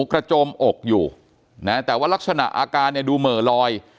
กระโจมอกอยู่นะแต่ว่ารักษณะอาการเนี่ยดูเหม่อลอย